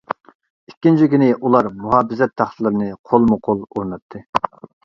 ئىككىنچى كۈنى ئۇلار مۇھاپىزەت تاختىلىرىنى قولمۇ-قول ئورناتتى.